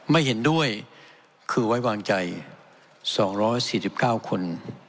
ไม่เห็นด้วยคือไว้วางใจ๒๔๙คน